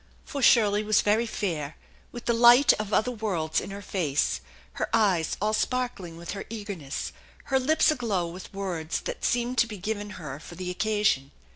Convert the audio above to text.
For Shirley was very fair, with the light of other worlds in her face, her eyes all sparkling with her eagerness, her lips aglow with words that seemed to be given her for the occasion.